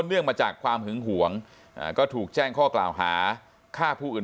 เนื่องมาจากความหึงหวงก็ถูกแจ้งข้อกล่าวหาฆ่าผู้อื่น